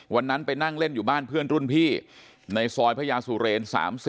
วันนั้นไปนั่งเล่นอยู่บ้านเพื่อนรุ่นพี่ในซอยพระยาสุเรน๓๐